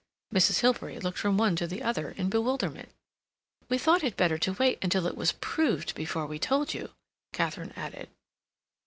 Mrs. Hilbery looked from one to the other in bewilderment. "We thought it better to wait until it was proved before we told you," Katharine added.